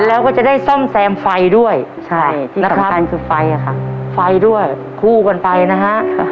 แล้วก็จะได้ซ่อมแซมไฟด้วยใช่ที่สำคัญคือไฟอะค่ะไฟด้วยคู่กันไปนะฮะ